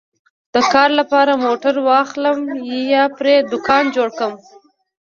د کار لپاره موټر واخلم یا پرې دوکان جوړ کړم